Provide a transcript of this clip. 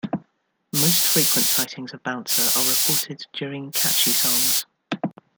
Most frequent sightings of Bouncer are reported during catchy songs.